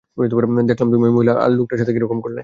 দেখলাম তো তুমি ঐ মহিলা আর লোকটার সাথে কীরকম করলে।